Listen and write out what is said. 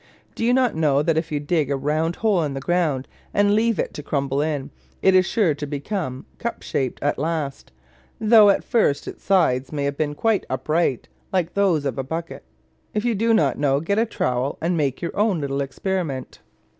Do you not know that if you dig a round hole in the ground, and leave it to crumble in, it is sure to become cup shaped at last, though at first its sides may have been quite upright, like those of a bucket? If you do not know, get a trowel and make your little experiment.